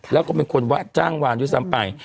แล้วก็เป็นคนจ้างวานด้วยซ้ำไป